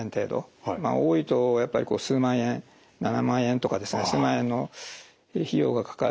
多いとやっぱり数万円７万円とか数万円の費用がかかる。